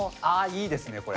ああいいですね！